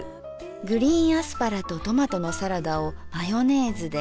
グリーンアスパラとトマトのサラダをマヨネーズで。